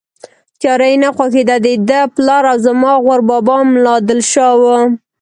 تیاره یې نه خوښېده، دده پلار او زما غور بابا ملا دل شاه و.